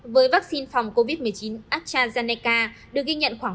với vaccine phòng covid một mươi chín astrazeneca được ghi nhận khoảng bốn mươi